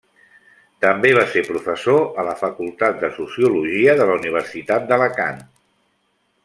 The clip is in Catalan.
També va ser professor a Facultat de Sociologia de la Universitat d'Alacant.